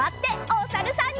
おさるさん。